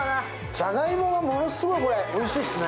じゃがいもがものすごいおいしいですね。